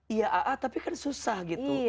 iya aa tapi kan susah gitu